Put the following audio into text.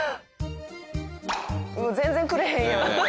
全然くれへんやん。